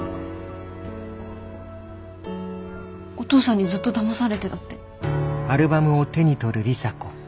お父さんにずっとだまされてたって。